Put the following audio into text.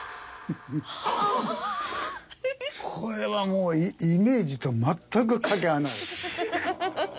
これはもうイメージと全くかけ離れてる。